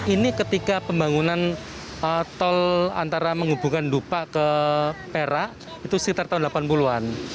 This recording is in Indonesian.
ini ketika pembangunan tol antara menghubungkan dupak ke perak itu sekitar tahun delapan puluh an